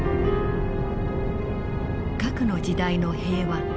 核の時代の平和。